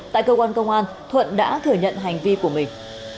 tại cơ quan công an thuận đã thừa nhận hành vi của mình